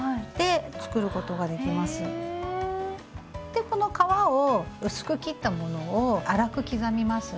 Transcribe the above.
でこの皮を薄く切ったものを粗く刻みます。